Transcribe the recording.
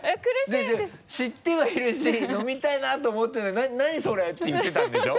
だって知ってはいるし飲みたいなと思ってるのに「何？それ」って言ってたんでしょ？